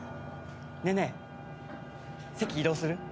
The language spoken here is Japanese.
ねえねえ席移動する？